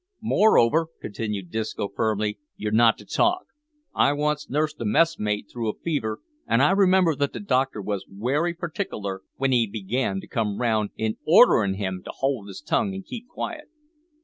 "Moreover," continued Disco, firmly, "you're not to talk. I once nursed a messmate through a fever, an' I remember that the doctor wos werry partikler w'en he began to come round, in orderin' him to hold his tongue an' keep quiet."